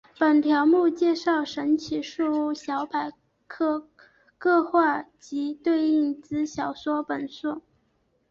本条目介绍神奇树屋小百科各话及对应之小说本数。